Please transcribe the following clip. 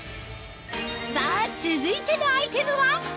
さぁ続いてのアイテムは？